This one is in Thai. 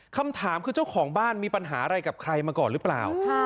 คำถามคือเจ้าของบ้านมีปัญหาอะไรกับใครมาก่อนหรือเปล่า